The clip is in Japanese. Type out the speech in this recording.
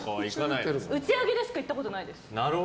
打ち上げでしか行ったことない。